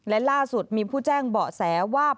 และล่าสุดมีผู้แจ้งเบาะแสว่า